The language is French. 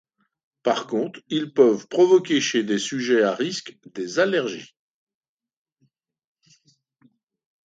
Par contre, ils peuvent provoquer, chez des sujets à risques, des allergies.